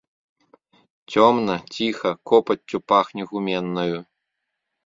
Цёмна, ціха, копаццю пахне гуменнаю.